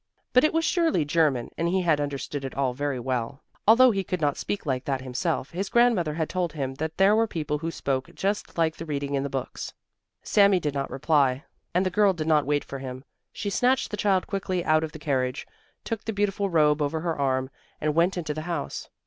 But it was surely German, and he had understood it all very well, although he could not speak like that himself. His grandmother had told him that there were people who spoke just like the reading in the books. Sami did not reply, and the girl did not wait for him. She snatched the child quickly out of the carriage, took the beautiful robe over her arm, and went into the house.